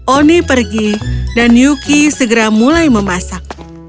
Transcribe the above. oni pergi dan yuki segera mulai memasak